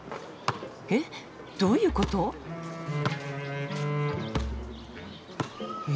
えっどういうこと？え！？